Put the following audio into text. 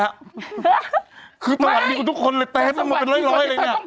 แล้วคือตอนนี้มันทุกคนตาเป็นร้อยเลยนี่